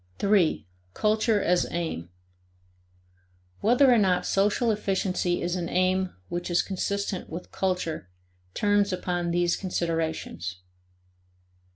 3. Culture as Aim. Whether or not social efficiency is an aim which is consistent with culture turns upon these considerations.